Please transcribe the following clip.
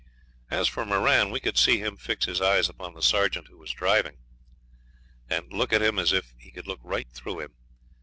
As for Moran, we could see him fix his eyes upon the sergeant who was driving, and look at him as if he could look right through him.